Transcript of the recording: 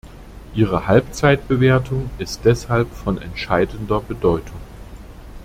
Ihre Halbzeitbewertung ist deshalb von entscheidender Bedeutung.